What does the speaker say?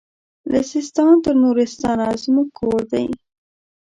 له سیستان تر نورستانه زموږ کور دی